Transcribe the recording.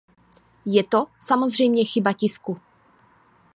Je to samozřejmě chyba tisku.